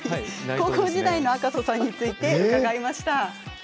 高校時代の赤楚さんについて聞きました。